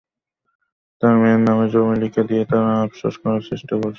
তাঁর মেয়ের নামে জমি লিখে দিয়ে তারা আপস করার চেষ্টা করছে।